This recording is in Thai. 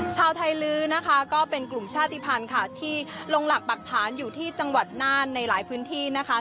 ชาวไทยลื้อนะคะก็เป็นกลุ่มชาติภัณฑ์ค่ะที่ลงหลักปรักฐานอยู่ที่จังหวัดน่านในหลายพื้นที่นะคะ